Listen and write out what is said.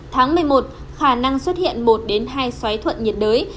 tháng một mươi một khả năng xuất hiện một hai xoáy thuận nhiệt đới